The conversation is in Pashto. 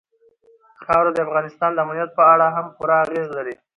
خاوره د افغانستان د امنیت په اړه هم پوره اغېز لري.